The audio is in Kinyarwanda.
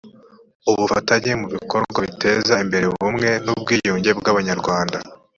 ubufatanye mu bikorwa biteza imbere ubumwe n ubwiyunge bw abanyarwanda